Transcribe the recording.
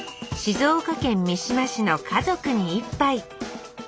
静岡県三島市の「家族に一杯」。